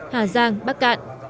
hà giang bắc cạn